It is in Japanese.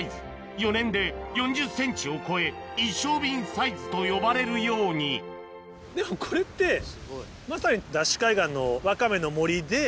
４年で４０ｃｍを超え一升瓶サイズと呼ばれるようにでもこれってまさにＤＡＳＨ海岸の。